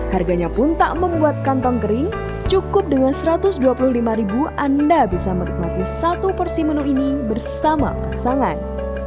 harganya pun tak membuat kantong kering cukup dengan rp satu ratus dua puluh lima anda bisa menikmati satu porsi menu ini bersama pasangan